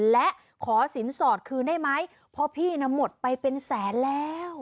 และขอสินสอดคืนได้ไหมเพราะพี่น่ะหมดไปเป็นแสนแล้ว